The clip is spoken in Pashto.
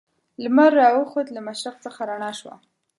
لمر را وخوت له مشرق څخه رڼا شوه.